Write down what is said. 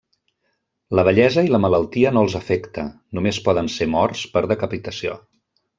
La vellesa i la malaltia no els afecta, només poden ser morts per decapitació.